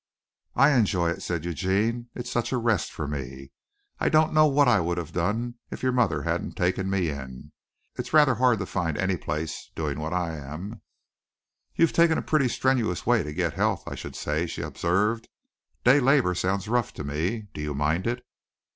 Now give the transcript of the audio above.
"I enjoy it," said Eugene. "It's such a rest for me. I don't know what I would have done if your mother hadn't taken me in. It's rather hard to find any place, doing what I am." "You've taken a pretty strenuous way to get health, I should say," she observed. "Day labor sounds rough to me. Do you mind it?"